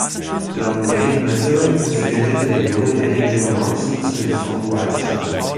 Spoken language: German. Laut Ray Manzarek inspirierte der junge Danny Jim Morrison zu dem Song "Wild Child".